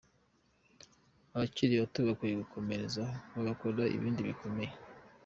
Abakiri bato bakwiye gukomerezaho bagakora ibindi bikomeye.